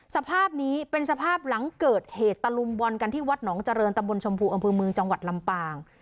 สภาพนี้เป็นสภาพหลังเกิดเหตุตะลุมบอลกันที่วัดหนองเจริญตำบลชมพูอำเภอเมืองจังหวัดลำปาง